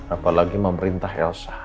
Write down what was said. apalagi memerintah elsa